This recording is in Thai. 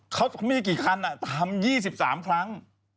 เขามีกี่คันทำ๒๓ครั้ง